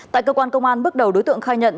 tại cơ quan công an bước đầu đối tượng khai nhận